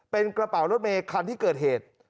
เป็นกระเป๋ารถเมย์คันที่เกิดเหตุ